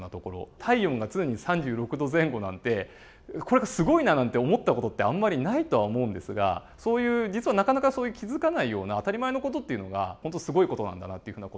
体温が常に３６度前後なんてこれが「すごいな」なんて思った事ってあんまりないとは思うんですがそういう実はなかなか気付かないような当たり前の事っていうのが本当すごい事なんだなっていうふうな事。